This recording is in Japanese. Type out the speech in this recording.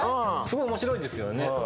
すごい面白いですよね。